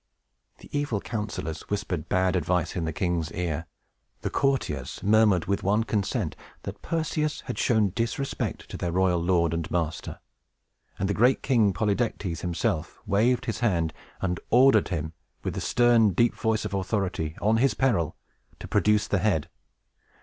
The evil counselors whispered bad advice in the king's ear; the courtiers murmured, with one consent, that Perseus had shown disrespect to their royal lord and master; and the great King Polydectes himself waved his hand, and ordered him, with the stern, deep voice of authority, on his peril, to produce the head.